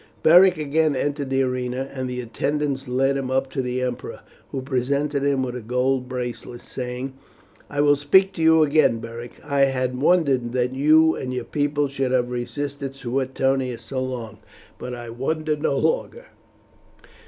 Beric again entered the arena, and the attendants led him up to the emperor, who presented him with a gold bracelet, saying: "I will speak to you again, Beric. I had wondered that you and your people should have resisted Suetonius so long, but I wonder no longer."